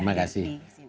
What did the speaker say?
sudah hadir di sini